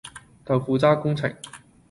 豆腐渣工程